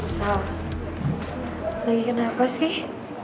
sal lagi kenapa sih